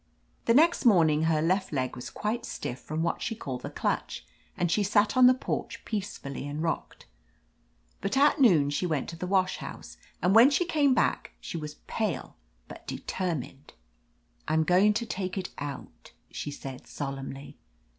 The next morning her left leg was quite stiff from what she called the clutch, and she sat on the porch peacefully and rocked. But at noon she went to the wash house, and when she came back she was pale but determined. "I'm going to take it out," she said solemnly.